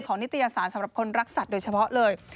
นิตยสารสำหรับคนรักสัตว์โดยเฉพาะเลย